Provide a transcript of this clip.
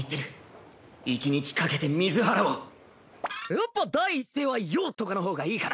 やっぱ第一声は「よう」とかの方がいいかな？